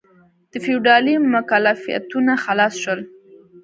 د فیوډالي مکلفیتونو خلاص شول.